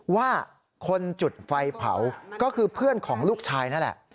ว่าคนจุดไฟเผาก็คือเพื่อนของลูกชายนั่นแหละ